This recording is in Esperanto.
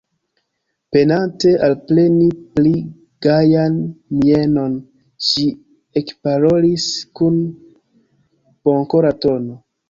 Penante alpreni pli gajan mienon, ŝi ekparolis kun bonkora tono: